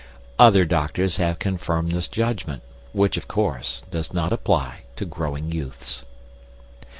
Other doctors have confirmed this judgment, which, of course, does not apply to growing youths.